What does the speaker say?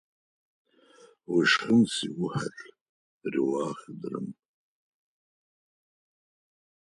Vusşşxın sıgu xelh! – ri'uağ khıdırım.